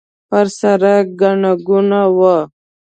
پر سړک ګڼه ګوڼه وه.